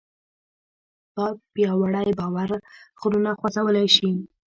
پیاوړی باور غرونه خوځولی شي.